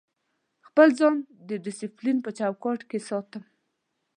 خپل ځان د ډیسپلین په چوکاټ کې ساتم.